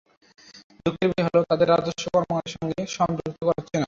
দুঃখের বিষয় হলো, তাঁদের রাজস্ব কর্মকাণ্ডের সঙ্গে সম্পৃক্ত করা হচ্ছে না।